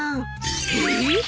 えっ！？